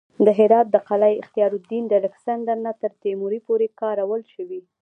د هرات د قلعه اختیارالدین د الکسندر نه تر تیمور پورې کارول شوې